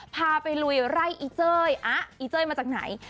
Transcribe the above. พาไปลุยไร่อีเจ้ยอะอีเจ้ยมาจากไหน